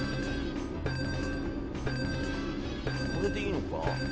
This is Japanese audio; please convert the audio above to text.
あれでいいのか？